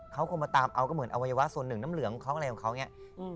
เขาคงมาตามเอาก็เหมือนอวัยวะส่วนหนึ่งน้ำเหลืองเขาอะไรของเขาอย่างนี้